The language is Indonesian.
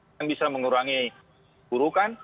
kita bisa mengurangi burukan